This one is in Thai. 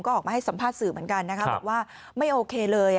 ก็ออกมาให้สัมภาษณ์สื่อเหมือนกันนะคะบอกว่าไม่โอเคเลย